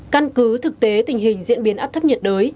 căn cứ thực tế tình hình diễn biến áp thấp nhiệt đới